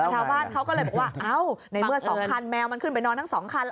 ชาวบ้านเขาก็เลยบอกว่าเอ้าในเมื่อ๒คันแมวมันขึ้นไปนอนทั้ง๒คัน